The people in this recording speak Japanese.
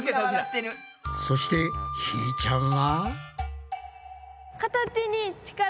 そしてひーちゃんは？